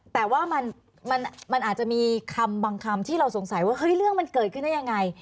แต่ว่ามันอาจจะมีคำบางคำที่เราสงสัยว่าเฮ้ยเรื่องมันเกิดขึ้นได้ยังไง